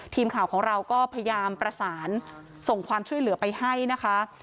ทีมข่าวของเราก็พยายามประสานส่งความช่วยเหลือไปให้นะคะ